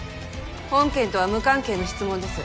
本件とは無関係の質問です。